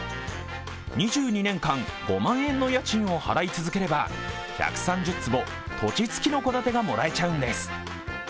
２２年間、５万円の家賃を払い続ければ１３０坪土地付きの戸建てがもらえちゃうんです。